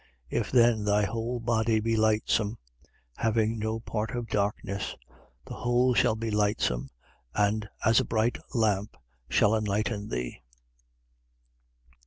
11:36. If then thy whole body be lightsome, having no part of darkness: the whole shall be lightsome and, as a bright lamp, shall enlighten thee.